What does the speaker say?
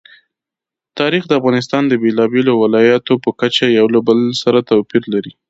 تاریخ د افغانستان د بېلابېلو ولایاتو په کچه یو له بل سره توپیر لري.